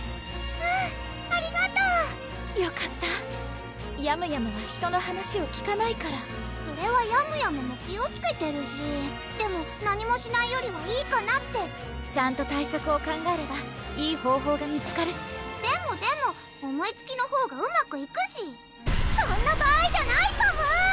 うんありがとうよかったヤムヤムは人の話を聞かないからそれはヤムヤムも気をつけてるしでも何もしないよりはいいかなってちゃんと対策を考えればいい方法が見つかるでもでも思いつきのほうがうまくいくしそんな場合じゃないパム！